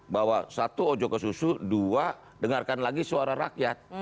bahwa satu ojo ke susu dua dengarkan lagi suara rakyat